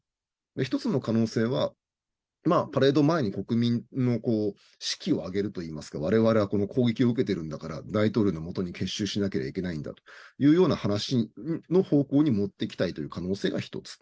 一つの可能性は、パレード前に国民の士気を上げると言いますか我々は攻撃を受けてるんだから大統領のもとに結集しなければいけないんだという話の方向に持っていきたいという可能性が一つ。